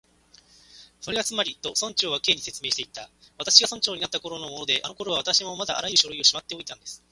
「それがつまり」と、村長は Ｋ に説明していった「私が村長になったころのもので、あのころは私もまだあらゆる書類をしまっておいたんです」